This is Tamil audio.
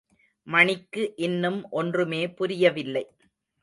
மணிக்கு இன்னும் ஒன்றுமே புரியவில்லை.